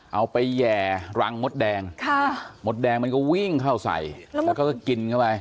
เอาไปแห่รังมดแดงมดแดงมันก็วิ่งเข้าใส่แล้วเขาก็กินเข้าไป